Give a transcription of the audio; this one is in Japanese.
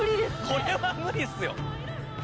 これは無理っすよ。